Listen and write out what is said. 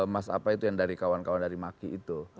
mas apa itu yang dari kawan kawan dari maki itu